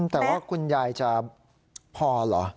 แต่ว่าคุณยายจะพอเหรอ